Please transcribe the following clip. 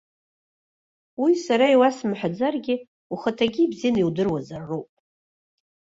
Уи сара иуасымҳәаӡаргьы, ухаҭагьы ибзианы иудыруазароуп.